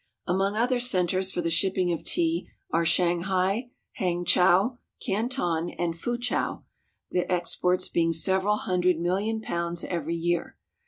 Among other centers for the shipping of tea are Shanghai, Hangchau, Canton, and Fuchau, the exports being sev eral hundred million pounds every year.